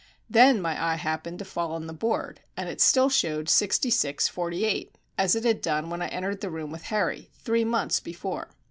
Then my eye happened to fall on the board, and it still showed sixty six forty eight, as it had done when I entered the room with Harry three months before.